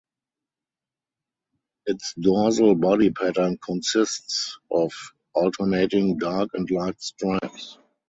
Its dorsal body pattern consists of alternating dark and light stripes.